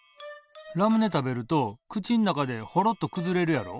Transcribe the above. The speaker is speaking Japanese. ラムネ食べると口ん中でホロッとくずれるやろ？